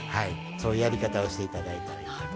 そういうやり方をしていただいたらいいと思います。